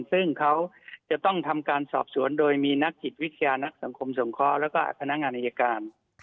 ซึ่งเขาจะต้องทำการสอบสวนโดยมีนักจิตวิทยานักสังคมสงเคราะห์แล้วก็พนักงานอายการ